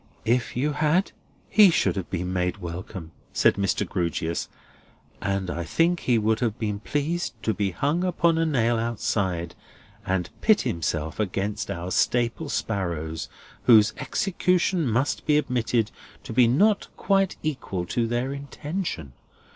"If you had, he should have been made welcome," said Mr. Grewgious, "and I think he would have been pleased to be hung upon a nail outside and pit himself against our Staple sparrows; whose execution must be admitted to be not quite equal to their intention.